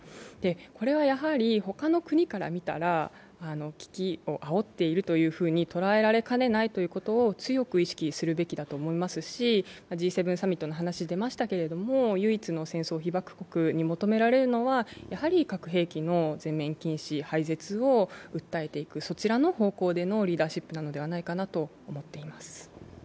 これはやはり他の国から見たら危機をあおっていると捉えられかねないということを強く意識するべきだと思いますしＧ７サミットの話、出ましたけど唯一の戦争被爆国に求められるのは、やはり核兵器の全面禁止・廃絶を訴えていく、そちらの方向でのリーダーシップなのではないかなと思っています。